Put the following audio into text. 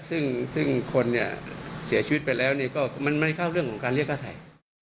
ซึ่งคนเสียชีวิตไปแล้วมันไม่เข้าเรื่องของการเรียกค่าใส